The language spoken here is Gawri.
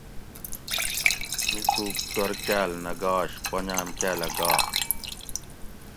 میڄوگ چور کاۤل نہ گاش پنجاۤم کاۤلہ گا